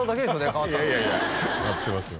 変わったのいやいやいや変わってますよ